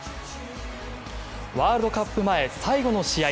ワールドカップ前最後の試合